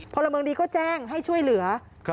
พลเมืองดีก็แจ้งให้ช่วยเหลือ